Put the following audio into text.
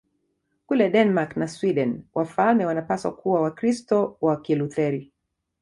Kule Denmark na Sweden wafalme wanapaswa kuwa Wakristo wa Kilutheri.